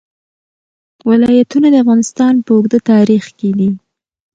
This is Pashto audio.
ولایتونه د افغانستان په اوږده تاریخ کې دي.